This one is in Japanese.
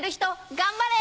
頑張れ！